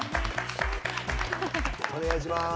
お願いします。